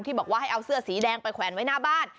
บอกว่าให้เอาเสื้อสีแดงไปแขวนไว้หน้าบ้าน